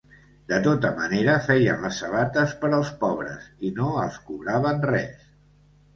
De tota manera, feien les sabates per als pobres i no els cobraven res.